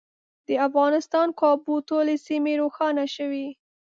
د افغانستان کابو ټولې سیمې روښانه شوې.